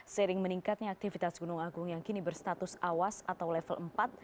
sering meningkatnya aktivitas gunung agung yang kini berstatus awas atau level empat